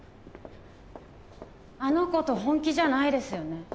あの子と本気じゃないですよね？